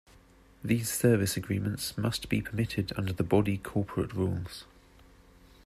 These service agreements must be permitted under the body corporate rules.